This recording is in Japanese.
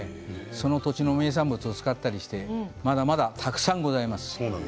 その土地の名産物を使ったりしてまだまだたくさんございます。